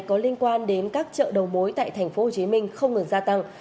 có liên quan đến các chợ đầu mối tại tp hcm không ngừng gia tăng